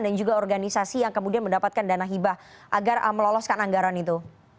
dan juga organisasi yang kemudian mendapatkan dana hibah agar meloloskan anggaran itu